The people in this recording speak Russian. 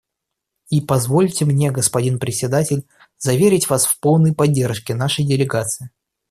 И позвольте мне, господин Председатель, заверить вас в полной поддержке нашей делегации.